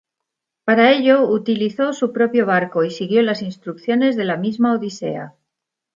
Para ello, utilizó su propio barco y siguió las instrucciones de la misma Odisea.